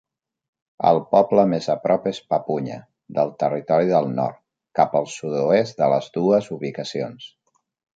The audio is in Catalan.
El poble més a prop és Papunya, del Territori del Nord, cap al sud-oest de les dues ubicacions.